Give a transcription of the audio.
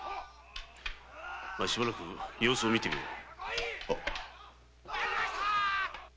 しばらく様子を見てみろ。